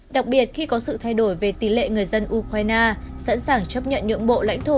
đặc biệt khi có sự thay đổi về tỷ lệ người dân ukraine sẵn sàng chấp nhận nhượng bộ lãnh thổ